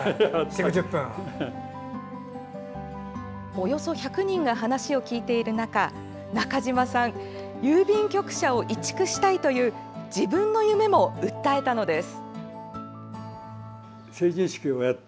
およそ１００人が話を聞いている中、中島さん郵便局舎を移築したいという自分の夢も訴えたのです。